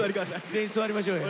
全員座りましょうよ。